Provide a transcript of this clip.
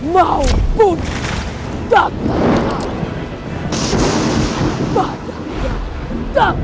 lakukan kau buduh ketapa ketiadaan kamu